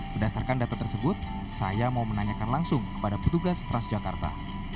berdasarkan data tersebut saya mau menanyakan langsung kepada petugas transjakarta